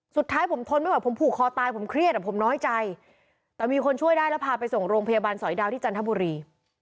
สุดท้ายผมทนไม่ไหวผมผูกคอตายผมเครียดอ่ะผมน้อยใจแต่มีคนช่วยได้แล้วพาไปส่งโรงพยาบาลสอยดาวที่จันทบุรี